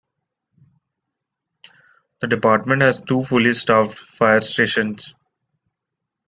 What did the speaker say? The department has two fully staffed fire stations.